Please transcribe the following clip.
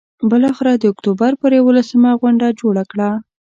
بالآخره د اکتوبر پر یوولسمه غونډه جوړه کړه.